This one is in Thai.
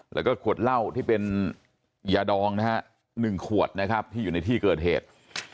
แล้วก็ขวดเหล้าที่เป็นยาดองนะฮะ๑ขวดนะครับที่อยู่ในที่เกิดเหตุ